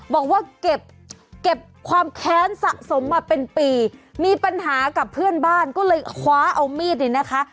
บอกว่าเก็บเก็บความแค้นสะสมมาเป็นปีมีปัญหากับเพื่อนบ้านก็เลยคว้าเอามีดเนี่ยนะคะ